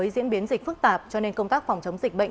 diễn biến dịch phức tạp cho nên công tác phòng chống dịch bệnh